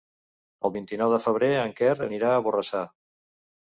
El vint-i-nou de febrer en Quer anirà a Borrassà.